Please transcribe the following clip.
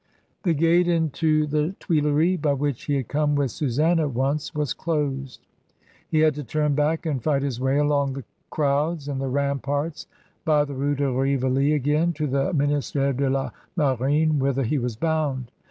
The gate into the Tuileries, by which he had come with Susam: once, was closed; he had to turn back and fighihi^ way along the crowds and the ramparts of the R:e de Rivoli again, to the Minist^re de la Maiint whither he was bound.